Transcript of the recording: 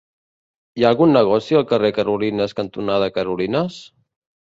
Hi ha algun negoci al carrer Carolines cantonada Carolines?